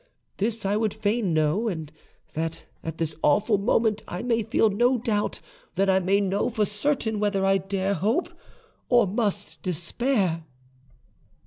This I would fain know, that at this awful moment I may feel no doubt, that I may know for certain whether I dare hope or must despair."